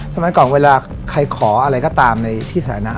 สมัยก่อนเวลาใครขออะไรก็ตามในที่สาธารณะ